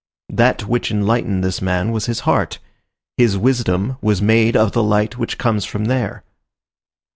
That which enlightened this man was his heart. His wisdom was made of the light which comes from there.